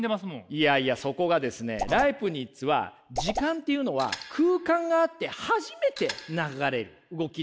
いやいやそこがですねライプニッツは時間っていうのは空間があって初めて流れる動き出すって。